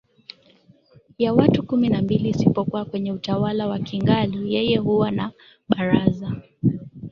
ya watu kumi na mbili isipokuwa kwenye utawala wa Kingalu yeye huwa na baraza